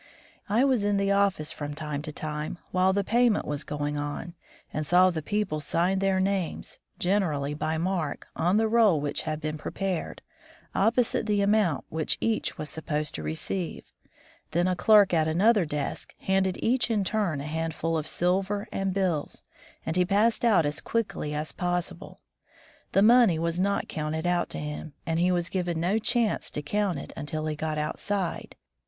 I was in the office from time to time while the payment was going on, and saw the people sign their names, generally by mark, on the roll which had been prepared, opposite the amount which each was supposed to receive ; then a clerk at another desk handed each in turn a handful of silver and bills, and he passed out as quickly as possible. The money was not counted out to him, and he was given no chance to count it until he got outside.